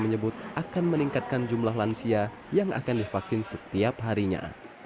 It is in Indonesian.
menyebut akan meningkatkan jumlah lansia yang akan divaksin setiap harinya